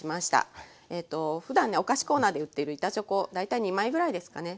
ふだんねお菓子コーナーで売ってる板チョコ大体２枚ぐらいですかね